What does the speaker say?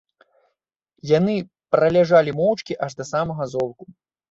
Яны праляжалі моўчкі аж да самага золку.